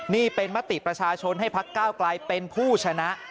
นี่เป็นมติประชาชนให้พักก้าวกลายเป็นผู้ชนะ